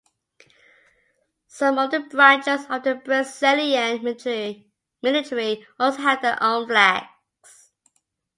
Some of the branches of the Brazilian military also have their own flags.